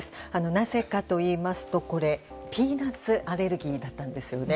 なぜかといいますとこれ、ピーナツアレルギーだったんですよね。